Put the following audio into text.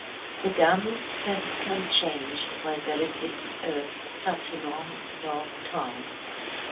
"The gum has become changed while buried in the earth such a long, long time.